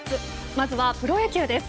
まずはプロ野球です。